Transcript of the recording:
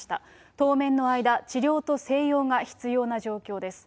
当面の間、治療と静養が必要な状況です。